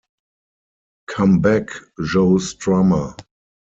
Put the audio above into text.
Come back, Joe Strummer.